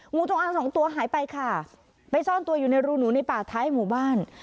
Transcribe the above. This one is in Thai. งูจงอางสองตัวหายไปค่ะไปซ่อนตัวอยู่ในรูหนูในป่าท้ายหมู่บ้าน